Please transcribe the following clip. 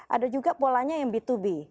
ada juga polanya yang b dua b